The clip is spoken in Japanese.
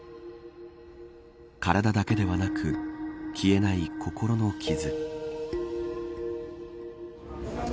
体だけではなく消えない心の傷。